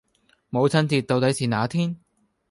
母親節到底是那天？